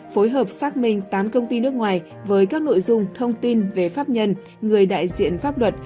phối hợp xác minh tám công ty nước ngoài với các nội dung thông tin về pháp nhân người đại diện pháp luật